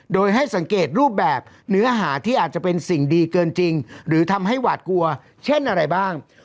โดยให้สังเกตรูปแบบเนื้อหาที่อาจจะเป็นสิ่งดีเกินจริงหรือทำให้หวาดกลัวเช่นอะไรบ้าง